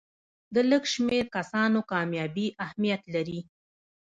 د لږ شمېر کسانو کامیابي اهمیت لري.